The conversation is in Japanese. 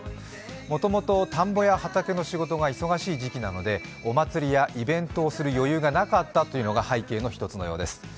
もともと田んぼや畑の仕事が忙しい時期なので、お祭りやイベントをする余裕がなかったというのが背景の一つのようです。